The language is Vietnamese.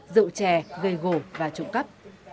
rượu chè gầy gổ và trụng cắp